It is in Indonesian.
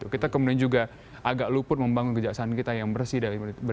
kita kemudian juga agak luput membangun kejaksaan kita yang bersih